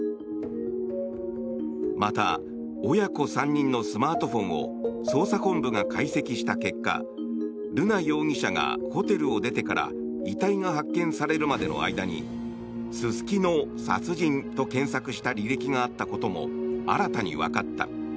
また親子３人のスマートフォンを捜査本部が解析した結果瑠奈容疑者がホテルを出てから遺体が発見されるまでの間に「すすきの殺人」と検索した履歴があったことも新たにわかった。